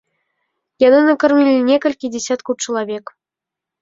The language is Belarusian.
Яны накармілі некалькі дзясяткаў чалавек.